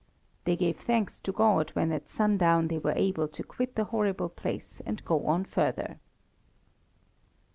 They gave thanks to God when at sundown they were able to quit the horrible place and go on further.